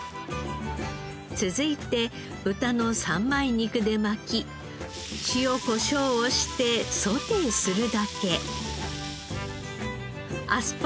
続いて豚の三枚肉で巻き塩コショウをしてソテーするだけ。